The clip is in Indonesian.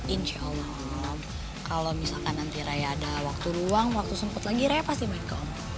insya allah kalau misalkan nanti raya ada waktu ruang waktu sempet lagi raya pasti micron